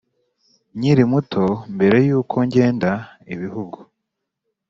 Nkiri muto, mbere y’uko ngenda ibihugu,